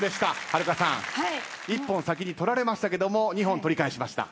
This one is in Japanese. はるかさん１本先に取られましたけども２本取り返しました。